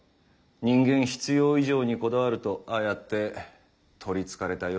人間必要以上にこだわるとああやって取りつかれたようになるんだ。